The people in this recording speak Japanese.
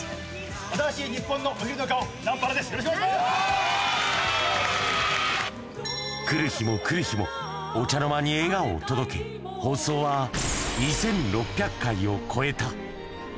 新しい日本のお昼の顔、来る日も来る日も、お茶の間に笑顔を届け、放送は２６００回を超えた。